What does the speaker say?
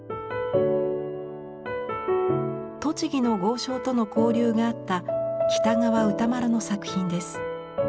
栃木の豪商との交流があった喜多川歌麿の作品です。